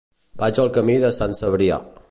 Vaig al camí de Sant Cebrià.